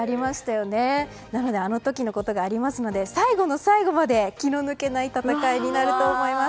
あの時のことがありますので最後の最後まで気の抜けない戦いになると思います。